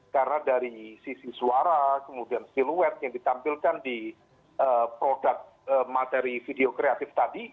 karena dari sisi suara kemudian siluet yang ditampilkan di produk materi video kreatif tadi